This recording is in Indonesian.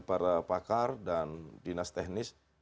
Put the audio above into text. para pakar dan dinas teknis